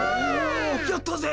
やったぜ！